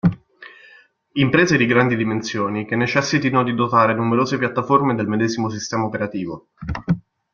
Imprese di grandi dimensioni che necessitino di dotare numerose piattaforme del medesimo sistema operativo.